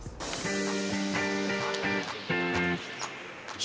sushi tengah fokus